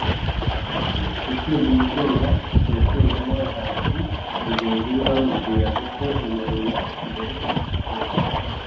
yatsinze ubwoba yatewe n’abahanzi bagenzi be bamubwiraga ko nimero ya mbere igoye